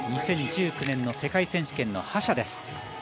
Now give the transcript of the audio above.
２０１９年の世界選手権の覇者です。